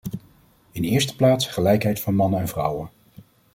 In de eerste plaats gelijkheid van mannen en vrouwen.